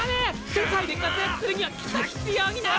世界で活躍するにはきっと必要になるんだから！